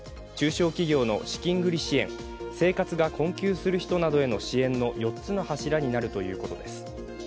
中小企業の資金繰り支援、生活が困窮する人などへの支援の４つの柱になるということです。